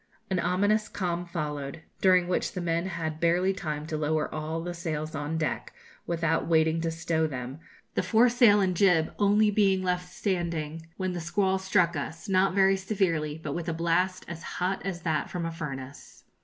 An ominous calm followed, during which the men had barely time to lower all the sails on deck, without waiting to stow them, the foresail and jib only being left standing, when the squall struck us, not very severely, but with a blast as hot as that from a furnace.